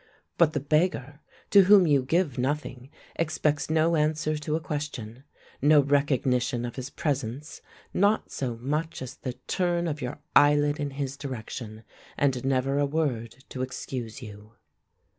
But the beggar to whom you give nothing expects no answer to a question, no recognition of his presence, not so much as the turn of your eyelid in his direction, and never a word to excuse you.